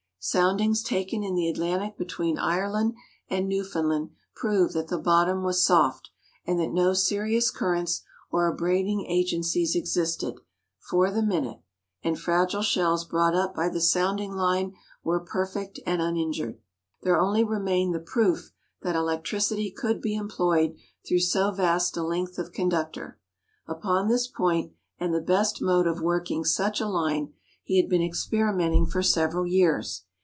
Soundings taken in the Atlantic between Ireland and Newfoundland proved that the bottom was soft, and that no serious currents or abrading agencies existed, for the minute and fragile shells brought up by the sounding line were perfect and uninjured. There only remained the proof that electricity could be employed through so vast a length of conductor. Upon this point and the best mode of working such a line, he had been experimenting for several years.